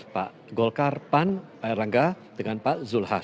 pak golkar pan pak erlangga dengan pak zulkifli hasan